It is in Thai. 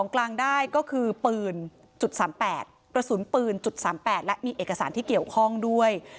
กระสุนปืน๓๘และมีเอกสารที่เกี่ยวข้องด้วย